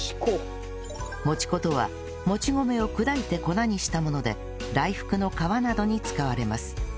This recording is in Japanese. もち粉とはもち米を砕いて粉にしたもので大福の皮などに使われます